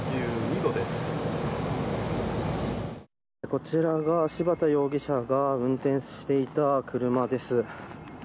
こちらが、柴田容疑者が運転していた車です。